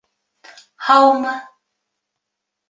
Һаумы!